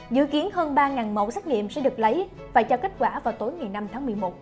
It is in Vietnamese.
dự kiến hơn ba mẫu xét nghiệm sẽ được lấy và cho kết quả vào tối ngày năm tháng một mươi một